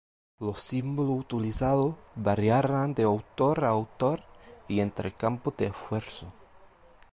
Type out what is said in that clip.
Los símbolos utilizados variarán de autor a autor y entre campos de esfuerzo.